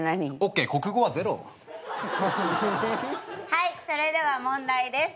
はいそれでは問題です。